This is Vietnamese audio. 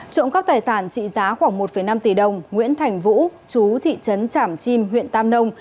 trộm cắp tài sản trị giá khoảng một năm tỷ đồng nguyễn thành vũ chú thị trấn trảng chim huyện tam nông